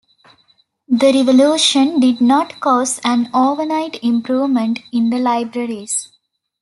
The revolution did not cause an overnight improvement in the libraries.